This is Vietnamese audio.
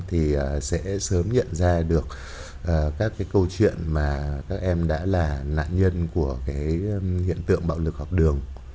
thì sẽ sớm nhận ra được các cái câu chuyện mà các em đã là nạn nhân của cái hiện tượng bạo lực học đường